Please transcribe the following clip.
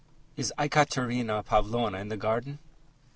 "Is Ekaterina Pavlovna in the garden?"